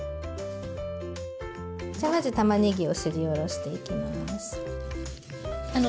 じゃまずたまねぎをすりおろしていきます。